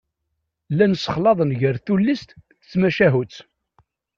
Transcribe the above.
Llan ssexlaḍen gar tullist d tmacahut.